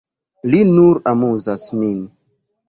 Li nur amuzas min.